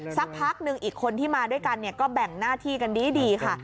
สักพักหนึ่งอีกคนที่มาด้วยกันก็แบ่งหน้าที่กันดีค่ะ